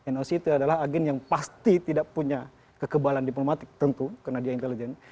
noc itu adalah agen yang pasti tidak punya kekebalan diplomatik tentu karena dia intelijen